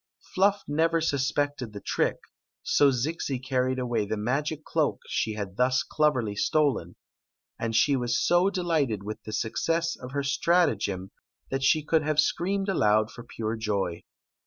89 Fluff never suspected the trick, so Zixi carried away the magic cloak she had thus cleverly stolen ; and she was so delighted with the success of her stratagem that she could have screamed aloud for pure joy.